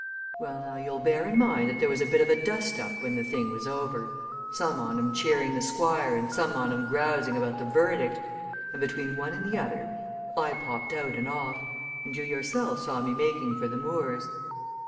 Well, now, you'll bear in mind that there was a bit of a dust up when the thing was over some on 'em cheering the Squire and some on 'em grousing about the verdict, and between one and t'other I popped out and off, and you yourself saw me making for the moors.